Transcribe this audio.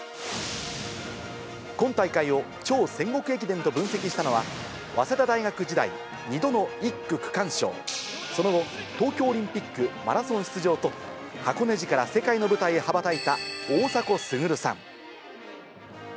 今大会を超戦国駅伝と分析したのは、早稲田大学時代、２度の１区区間賞、その後、東京オリンピックマラソン出場と、箱根路から世界の舞台へ羽ばたいた大迫傑さん。